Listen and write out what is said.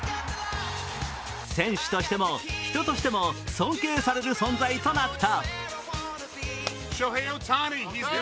選手としても、人としても尊敬される存在となった。